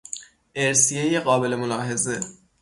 ارثیهی قابل ملاحظه